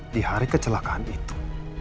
di hari kecelakaan itu